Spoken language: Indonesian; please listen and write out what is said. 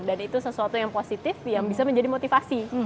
dan itu sesuatu yang positif yang bisa menjadi motivasi